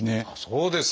そうですか！